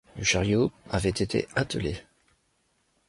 Le chariot avait été attelé.